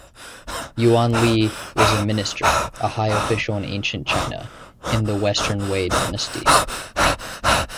Yuan Lie was a minister(a high official in ancient China) in the Western Wei Dynasty.